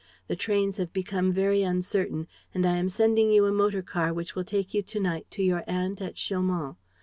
The trains have become very uncertain; and I am sending you a motor car which will take you to night to your aunt at Chaumont.